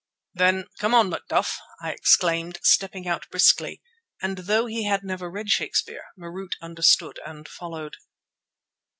"Then, 'come on, Macduff,'" I exclaimed, stepping out briskly, and though he had never read Shakespeare, Marût understood and followed.